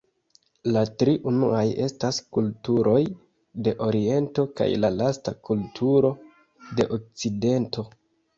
La tri unuaj estas kulturoj de Oriento kaj la lasta kulturo de Okcidento.